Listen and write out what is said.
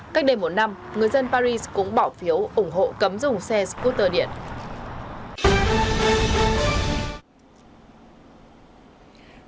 cách đây một năm người dân paris cũng bỏ phiếu ủng hộ cấm dùng xe scooter điện